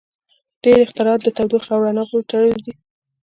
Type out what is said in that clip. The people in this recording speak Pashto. • ډېری اختراعات د تودوخې او رڼا پورې تړلي دي.